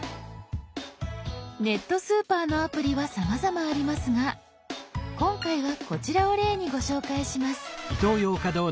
ネットスーパーのアプリはさまざまありますが今回はこちらを例にご紹介します。